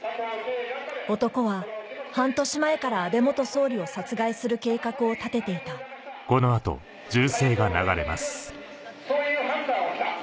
男は半年前から安倍総理を殺害する計画を立てていたそういう判断をした。